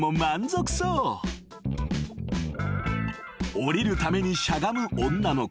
［下りるためにしゃがむ女の子］